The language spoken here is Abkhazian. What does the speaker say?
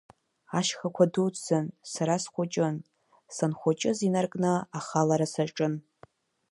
Ашьхақәа дуӡӡан, сара схәыҷын, санхәыҷыз инаркны ахалара саҿын.